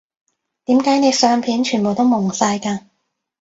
點解你相片全部都矇晒㗎